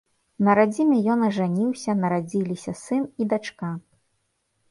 На радзіме ён ажаніўся, нарадзіліся сын і дачка.